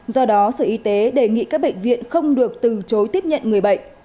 do đó sở y tế đề nghị các bệnh viện không được từ chối tiếp nhận người bệnh